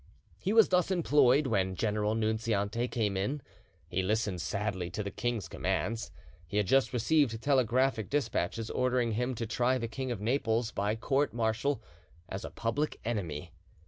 He was thus employed when General Nunziante came in. He listened sadly to the king's commands. He had just received telegraphic despatches ordering him to try the King of Naples by court martial as a public enemy.